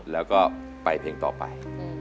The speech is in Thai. แล้วก็ไปเพลงต่อไป